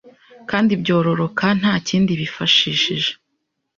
kandi byororoka nta kindi byifashishije,